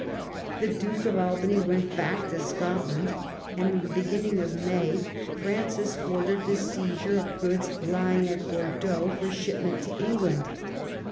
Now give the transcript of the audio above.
The Duke of Albany went back to Scotland ; and in the beginning of May Francis ordered the seizure of goods lying at Bordeaux for ship ment to England.